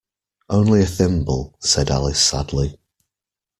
‘Only a thimble,’ said Alice sadly.